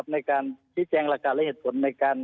ในการที่แจงระกาศและเหตุผล